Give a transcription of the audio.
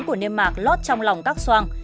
của niêm mạc lót trong lòng các soang